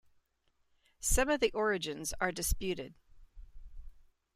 Some of the origins are disputed.